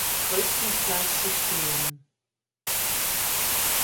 Größenklasse stehen.